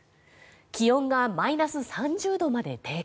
気温がマイナス３０度まで低下。